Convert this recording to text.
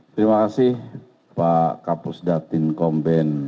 terima kasih pak kapus datin komben